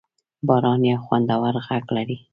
باران یو خوندور غږ لري.